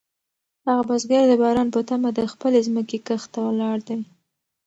هغه بزګر د باران په تمه د خپلې ځمکې کښت ته ولاړ دی.